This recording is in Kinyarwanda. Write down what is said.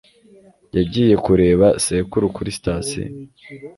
yagiye kureba sekuru kuri sitasiyo